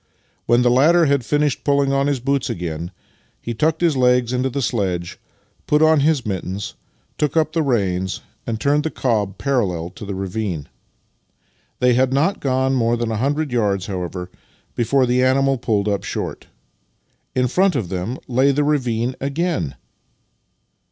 When the latter had finished pulling on his boots again, he tucked his legs onto the sledge, put on his mittens, took up the reins, and turned the cob parallel to the ravine. They had not gone more than a hundred yards, how ever, before the animal pulled up short. In front of them lay the ravine again!